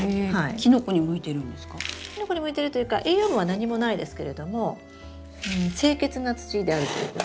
キノコに向いてるというか栄養分は何もないですけれども清潔な土であるということ。